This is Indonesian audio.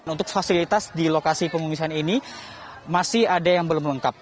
untuk fasilitas di lokasi pengungsian ini masih ada yang belum lengkap